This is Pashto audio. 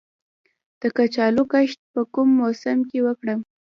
د کچالو کښت په کوم موسم کې وکړم؟